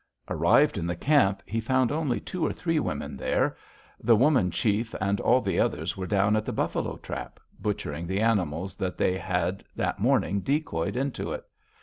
"Arrived in the camp, he found only two or three women there; the woman chief and all the others were down at the buffalo trap, butchering the animals that they had that morning decoyed into it.